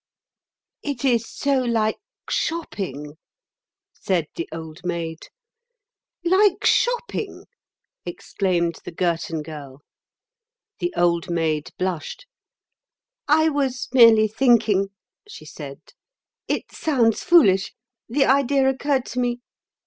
"It is so like shopping," said the Old Maid. "Like shopping!" exclaimed the Girton Girl. The Old Maid blushed. "I was merely thinking," she said. "It sounds foolish. The idea occurred to me."